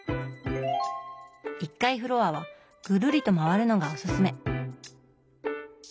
１階フロアはぐるりと回るのがおすすめ。